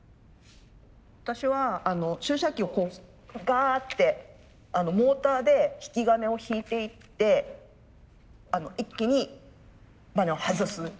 私は注射器をこうガーってモーターで引き金を引いていって一気にバネを外す。